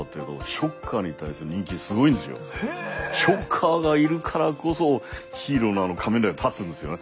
ショッカーがいるからこそヒーローのあの仮面ライダーが立つんですよね。